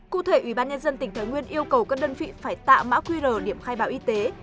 cụ thể ubnd tỉnh thái nguyên yêu cầu các đơn vị phải tạo mã qr điểm khai báo y tế